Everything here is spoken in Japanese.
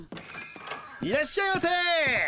いらっしゃいませ。